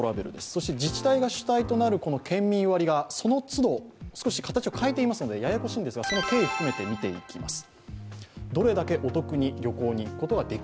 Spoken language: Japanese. そして自治体が主体となる県民割がその都度、少し形を変えていますのでややこしいんですが、その経緯を含めて見ていきます。